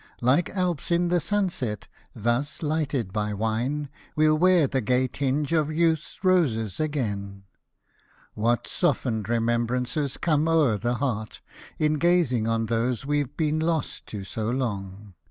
Like Alps in the sunset, thus lighted by wine, We'll wear the gay tinge of youth's roses again. What softened remembrances come o'er the heart, In gazing on those we've been lost to so long